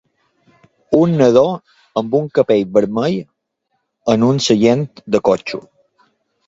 Un nadó amb un barret vermell en un seient de cotxe.